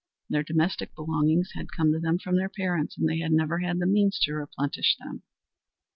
Their domestic belongings had come to them from their parents, and they had never had the means to replenish them.